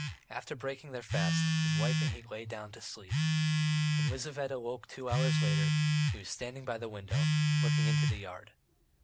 After breaking their fast, his wife and he lay down to sleep. When Lizaveta woke two hours later, he was standing by the window, looking into the yard.